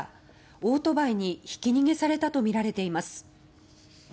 オートバイにひき逃げされたとみられています。